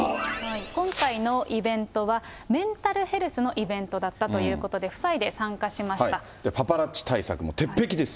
今回のイベントは、メンタルヘルスのイベントだったというこパパラッチ対策も鉄壁です。